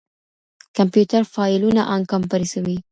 کمپيوټر فايلونه اَنکمپرېسوي.